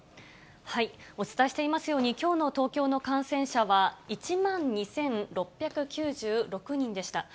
お伝えしていますように、きょうの東京の感染者は、１万２６９６人でした。